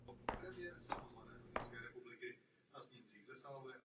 Jen prostřednictvím otevřené metody koordinace naše cíle nenaplníme.